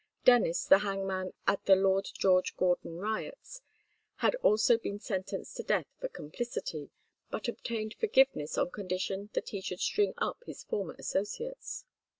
Dennis, the hangman at the Lord George Gordon riots, had also been sentenced to death for complicity, but obtained forgiveness on condition that he should string up his former associates.